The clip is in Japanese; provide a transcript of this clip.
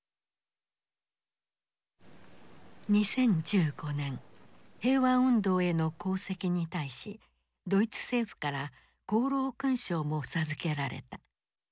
２０１５年平和運動への功績に対しドイツ政府から功労勲章も授けられた。